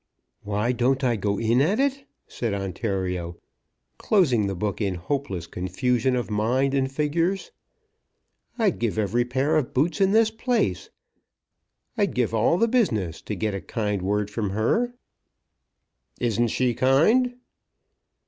"Why don't I go in at it?" said Ontario, closing the book in hopeless confusion of mind and figures. "I'd give every pair of boots in this place, I'd give all the business, to get a kind word from her." "Isn't she kind?"